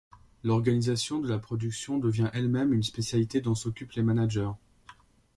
L'organisation de la production devient elle-même une spécialité dont s'occupent les managers.